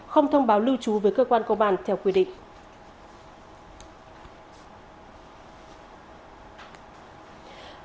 không thông báo lưu trú với cơ quan công an theo quy định